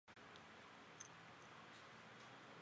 车站两股正线轨道中央设有存车线。